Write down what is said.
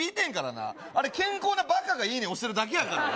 なあれ健康なバカが「いいね」押してるだけやからね